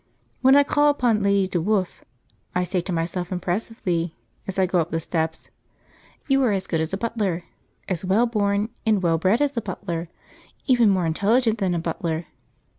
When I call upon Lady DeWolfe, I say to myself impressively, as I go up the steps: 'You are as good as a butler, as well born and well bred as a butler, even more intelligent than a butler.